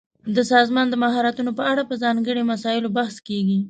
د سازمان د مهارتونو په اړه په ځانګړي مسایلو بحث کیږي.